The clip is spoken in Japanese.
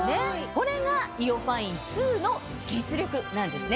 これがＩＯファイン２の実力なんですね。